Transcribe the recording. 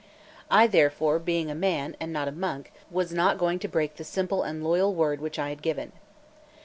I therefore, being a man, and not a monk, was not going to break the simple and loyal word which I had given.